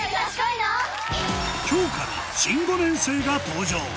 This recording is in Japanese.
今日から新５年生が登場